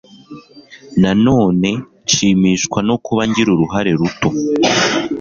Nanone nshimishwa no kuba ngira uruhare ruto